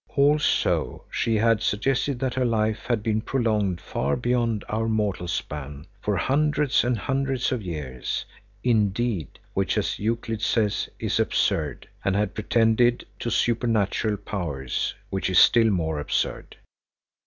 Also, she had suggested that her life had been prolonged far beyond our mortal span, for hundreds and hundreds of years, indeed; which, as Euclid says, is absurd, and had pretended to supernatural powers, which is still more absurd.